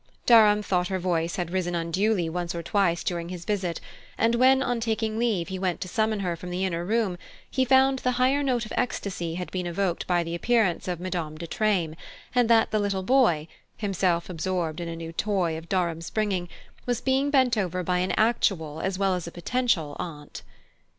Durham thought her voice had risen unduly once or twice during his visit, and when, on taking leave, he went to summon her from the inner room, he found the higher note of ecstasy had been evoked by the appearance of Madame de Treymes, and that the little boy, himself absorbed in a new toy of Durham's bringing, was being bent over by an actual as well as a potential aunt.